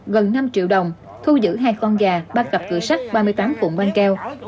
gần năm triệu đồng thu giữ hai con gà ba cặp cửa sách ba mươi tám cụm ban keo